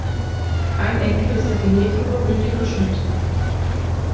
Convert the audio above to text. Ein Enkel ist der Genetiker Rüdiger Schmitt.